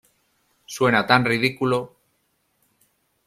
Suena tan ridículo.